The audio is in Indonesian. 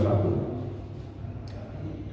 lengkap atau b dua puluh satu